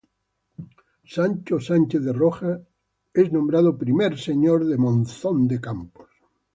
Sancho Sánchez de Rojas es nombrado I señor de Monzón de Campos.